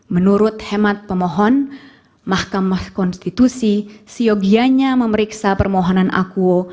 menurut hemat pemohon mahkamah konstitusi siogianya memeriksa permohonan akuo